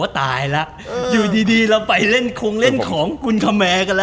อ๋อตายละอยู่ดีเราไปเล่นของคุณคมแมงกันละ